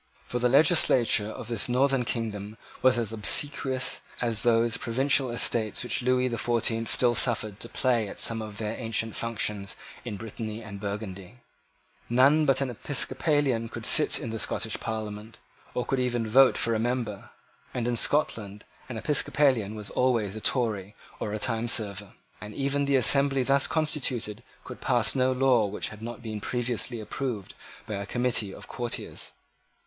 For the legislature of his northern kingdom was as obsequious as those provincial Estates which Lewis the Fourteenth still suffered to play at some of their ancient functions in Britanny and Burgundy. None but an Episcopalian could sit in the Scottish Parliament, or could even vote for a member, and in Scotland an Episcopalian was always a Tory or a timeserver. From an assembly thus constituted, little opposition to the royal wishes was to be apprehended; and even the assembly thus constituted could pass no law which had not been previously approved by a committee of courtiers.